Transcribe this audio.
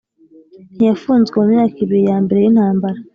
ntiyafunzwe mu myaka ibiri ya mbere y intambara.